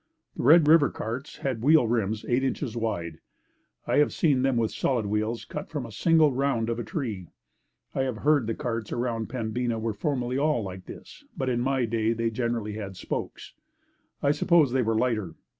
The Red River carts had wheel rims eight inches wide. I have seen them with solid wheels cut from a single round of a tree. I have heard that the carts around Pembina were formerly all like this, but in my day they generally had spokes. I suppose they were lighter.